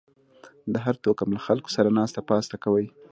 د هر توکم له خلکو سره ناسته پاسته کوئ